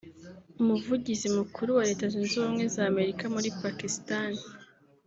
Umuvugizi Mukuru wa Leta Zunze Ubumwe z’Amerika muri Pakistan